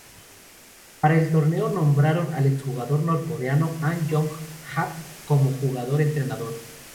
Para el torneo, nombraron al ex jugador norcoreano An Yong-hak como jugador-entrenador.